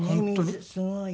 水すごい。